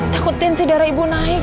takutin si darah ibu naik